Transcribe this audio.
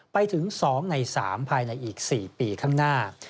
ไปถึง๒ใน๓ภายในอีก๔ปีข้างหน้า